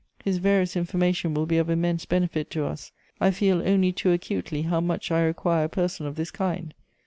His various information will be of immense benefit to us; I feel only too acutely how much I require a person of this kind.